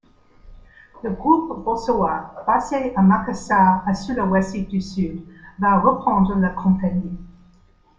Le groupe Bosowa, basé à Makassar à Sulawesi du Sud, va reprendre la compagnie.